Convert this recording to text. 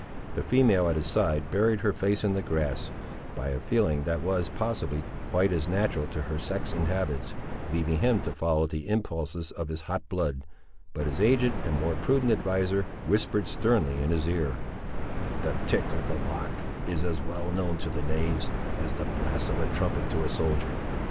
The female, at his side, buried her face in the grass, by a feeling that was, possibly, quite as natural to her sex and habits, leaving him to follow the impulses of his hot blood; but his aged and more prudent adviser, whispered, sternly, in his ear— "The tick of the lock is as well known to the knaves, as the blast of a trumpet to a soldier!